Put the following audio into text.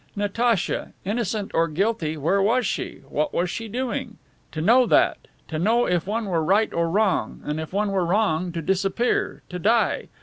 Natacha! Innocent or guilty, where was she? What was she doing? to know that! To know if one were right or wrong and if one were wrong, to disappear, to die!